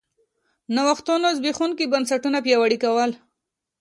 نوښتونو زبېښونکي بنسټونه پیاوړي کول